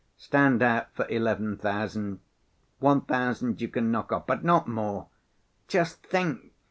Stand out for eleven thousand; one thousand you can knock off, but not more. Just think!